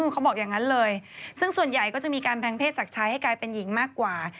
เขาบอกอย่างนั้นเลยซึ่งส่วนใหญ่ก็จะมีการแพงเศษจากชายให้กลายเป็นหญิงมากกว่า